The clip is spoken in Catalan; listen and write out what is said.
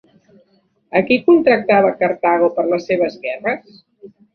A qui contractava Cartago per les seves guerres?